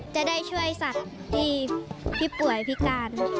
จะได้ช่วยสัตว์ที่ป่วยพิการ